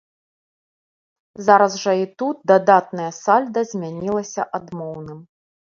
Зараз жа і тут дадатнае сальда змянілася адмоўным.